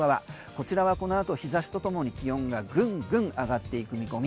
こちらはこのあと日差しとともに気温がぐんぐん上がっていく見込み。